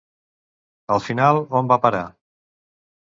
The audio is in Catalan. Al final, on va parar?